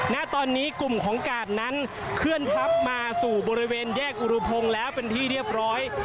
ณตอนนี้กลุ่มของกาดนั้นเคลื่อนทับมาสู่บริเวณแยกอุรุพงศ์แล้วเป็นที่เรียบร้อย